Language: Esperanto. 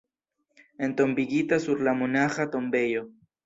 Entombigita sur la monaĥa tombejo.